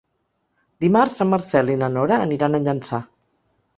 Dimarts en Marcel i na Nora aniran a Llançà.